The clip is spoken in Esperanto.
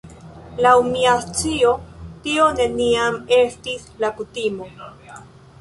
Laŭ mia scio tio neniam estis la kutimo.